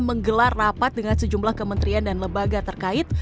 menggelar rapat dengan sejumlah kementerian dan lembaga terkait